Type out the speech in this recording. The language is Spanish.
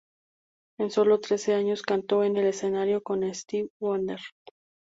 En sólo trece años, cantó en el escenario con Stevie Wonder.